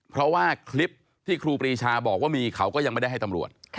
เพราะว่าคลิปที่ครูปรีชาบอกว่ามีเขาก็ยังไม่ได้ให้ตำรวจ